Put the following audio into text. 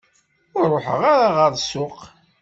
Ur ruḥeɣ ara ɣer ssuq.